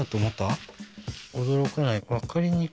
驚かない？